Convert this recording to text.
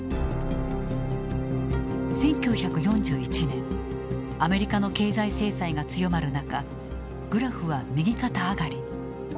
１９４１年アメリカの経済制裁が強まる中グラフは右肩上がりに。